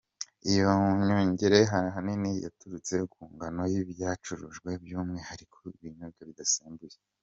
Iyi nyongera ahanini yaturutse ku ngano y’ibyacurujwe by’umwihariko ibinyobwa bidasembuye.